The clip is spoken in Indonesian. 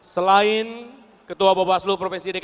selain ketua bapak aslu profesional